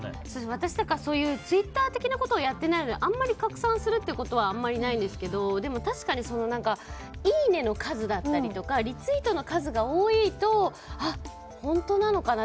私とかツイッター的なことをやっていないので拡散することはあまりないんですけど確かにいいねの数だったりとかリツイートの数が多いと本当なのかな？